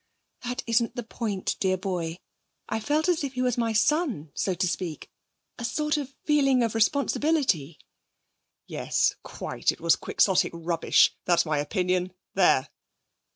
'That isn't the point, dear boy. I felt as if he was my son, so to speak a sort of feeling of responsibility.' 'Yes, quite. It was quixotic rubbish. That's my opinion. There!'